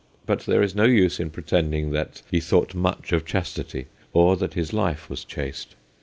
But there is no use in pretending that he thought much of chastity, or that his life was chaste.